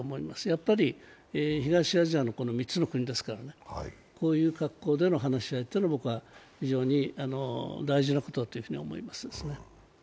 やっぱり、東アジアの３つの国ですからねこういう格好での話し合いっていうのは僕は非常に大事なことだろうという風に思いますね